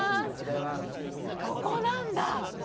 ここなんだ。